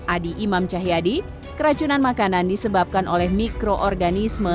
adi imam cahyadi keracunan makanan disebabkan oleh mikroorganisme